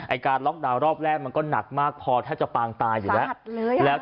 การล็อกดาวน์รอบแรกมันก็หนักมากพอแทบจะปางตายอยู่แล้ว